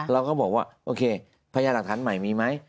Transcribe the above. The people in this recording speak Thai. เราก็บอกว่าโอเคพยาหลักฐานใหม่มีไหม